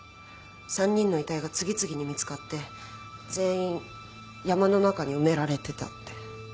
３人の遺体が次々に見つかって全員山の中に埋められてたって。